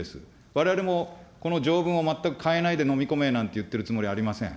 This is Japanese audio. われわれもこの条文を全く変えないでのみ込めなんて言うつもりはありません。